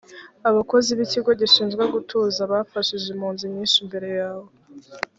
abakozi b ikigo gishinzwe gutuza bafashije impunzi nyinshi mbere yawe